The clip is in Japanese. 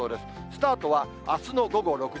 スタートはあすの午後６時。